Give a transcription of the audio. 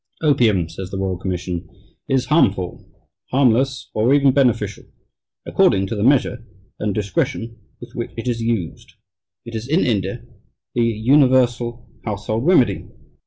"Opium," says the Royal Commission, "is harmful, harmless, or even beneficial, according to the measure and discretion with which it is used.... It is [in India] the universal household remedy....